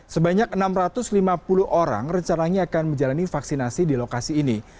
sebanyak enam ratus lima puluh orang rencananya akan menjalani vaksinasi di lokasi ini